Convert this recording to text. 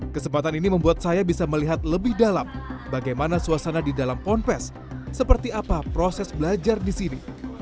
kesempatan ini membuat saya bisa melihat lebih dalam bagaimana suasana di dalam ponpes seperti apa proses belajar di sini